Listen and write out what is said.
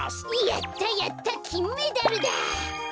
やったやったきんメダルだ！